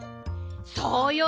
そうよ。